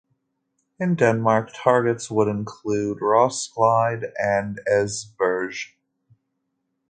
In Denmark targets would include Roskilde and Esbjerg.